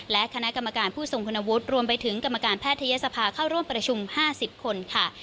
และคณะกรรมการผู้ทรงคุณวุฒิรวมไปถึงกรรมการแพทยศภาเข้าร่วมประชุม๕๐คนค่ะ